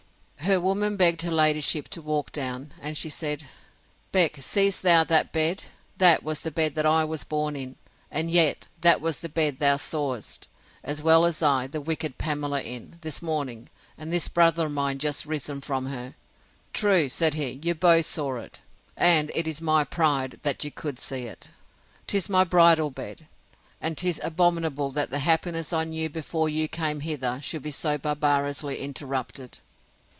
Her woman begged her ladyship to walk down; and she said, Beck, seest thou that bed? That was the bed that I was born in; and yet that was the bed thou sawest, as well as I, the wicked Pamela in, this morning, and this brother of mine just risen from her! True, said he; you both saw it, and it is my pride that you could see it. 'Tis my bridal bed; and 'tis abominable that the happiness I knew before you came hither, should be so barbarously interrupted.